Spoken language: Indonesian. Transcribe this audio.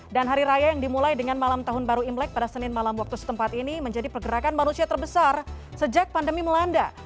dan hari raya yang dimulai dengan malam tahun baru imlek pada senin malam waktu setempat ini menjadi pergerakan manusia terbesar sejak pandemi melanda